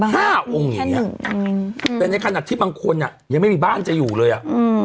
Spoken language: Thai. ห้าองค์อย่างนี้แต่ในขณะที่บางคนน่ะยังไม่มีบ้านจะอยู่เลยอ่ะ